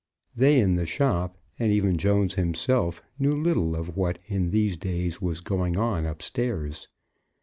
They in the shop, and even Jones himself, knew little of what in these days was going on upstairs.